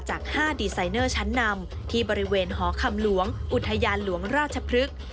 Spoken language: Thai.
จาก๕ดีไซเนอร์ชั้นนำที่บริเวณหอคำหลวงอุทยานหลวงราชพฤกษ์